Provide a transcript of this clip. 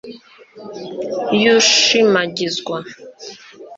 y'ugushimagizwa